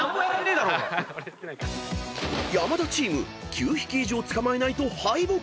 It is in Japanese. ［山田チーム９匹以上捕まえないと敗北］